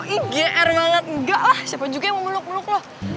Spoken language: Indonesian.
ih geer banget enggak lah siapa juga yang mau meluk meluk lo